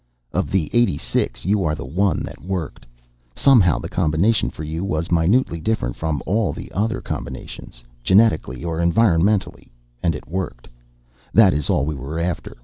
"Of the eighty six you are the one that worked. Somehow the combination for you was minutely different from all the other combinations, genetically or environmentally, and it worked. That is all we were after.